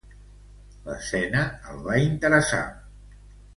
L'escena el va interessar.